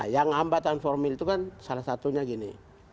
yang hambatan formil itu kan salah satunya gini